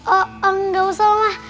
oh gak usah oma